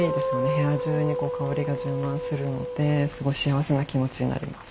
部屋中にこう香りが充満するのですごい幸せな気持ちになります。